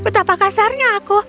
betapa kasarnya aku